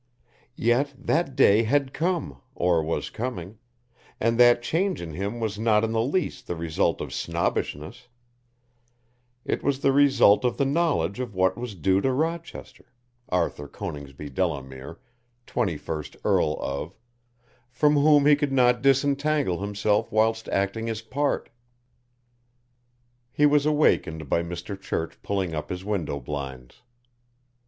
Yet that day had come, or was coming, and that change in him was not in the least the result of snobbishness, it was the result of the knowledge of what was due to Rochester, Arthur Coningsby Delamere, 21st Earl of, from whom he could not disentangle himself whilst acting his part. He was awakened by Mr. Church pulling up his window blinds.